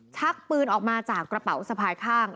ชักปืนออกมาจากกระเป๋าสะพายข้าง